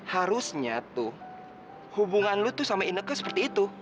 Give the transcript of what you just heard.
harusnya tuh hubungan lu tuh sama inekku seperti itu